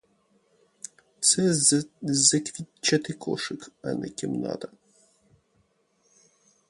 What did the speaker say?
Це заквітчаний кошик, а не кімната.